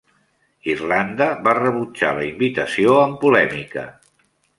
Irlanda va rebutjar la invitació, amb polèmica.